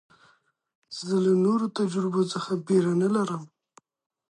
زه له نوو تجربو څخه بېره نه لرم.